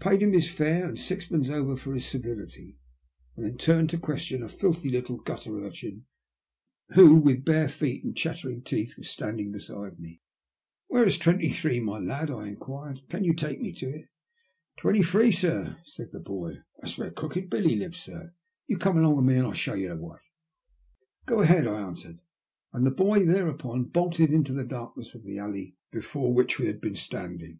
I paid him his fare and sixpence over for his civility, and then turned to question a filthy little . gutter urchin, who, with bare feet and chattering teeth, was stcmding beside me. " ^Vhere is 23, my lad ?" I inquired. " Can you take me to it?" " Twenty three, sir ?" said the boy. " That's where Crooked Billy lives, sir. You come along with me and I'll show you the way." '' Go ahead then," I answered, and the boy there upon bolted into the darkness of the alley before 8*i THE LUST OP HATE. which we had been standing.